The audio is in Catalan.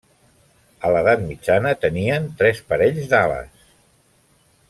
A l'Edat Mitjana tenien tres parells d'ales.